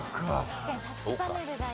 確かにタッチパネルだ今。